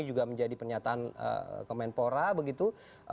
juga menjadi pernyataan kemenpora begitu